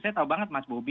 saya tahu banget mas bobby